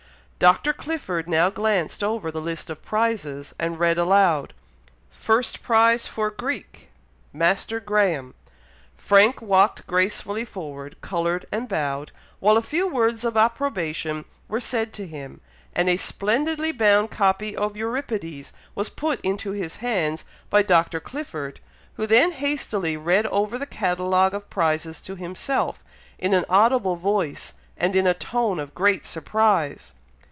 Dr. Clifford now glanced over the list of prizes, and read aloud "First prize for Greek Master Graham!" Frank walked gracefully forward, coloured and bowed, while a few words of approbation were said to him, and a splendidly bound copy of Euripides was put into his hands by Dr. Clifford, who then hastily read over the catalogue of prizes to himself, in an audible voice, and in a tone of great surprise.